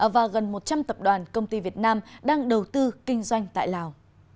và gần một trăm linh tập đoàn công ty việt nam đang đầu tư kinh doanh tại lào